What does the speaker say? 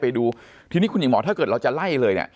ไปดูทีนี้คุณหญิงหมอถ้าเกิดเราจะไล่เลยเนี่ย